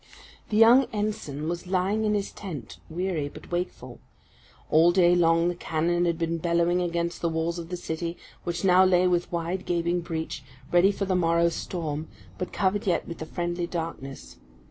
The young ensign was lying in his tent, weary, but wakeful. All day long the cannon had been bellowing against the walls of the city, which now lay with wide, gaping breach, ready for the morrow's storm, but covered yet with the friendly darkness.